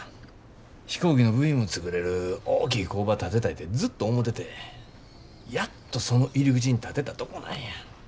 飛行機の部品も作れる大きい工場建てたいてずっと思ててやっとその入り口に立てたとこなんや。